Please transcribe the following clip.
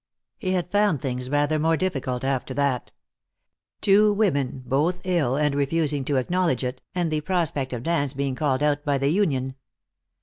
He had found things rather more difficult after that. Two women, both ill and refusing to acknowledge it, and the prospect of Dan's being called out by the union.